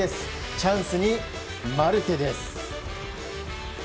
チャンスにマルテです。